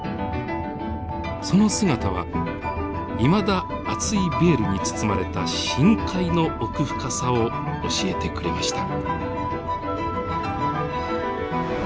その姿はいまだ厚いベールに包まれた深海の奥深さを教えてくれました。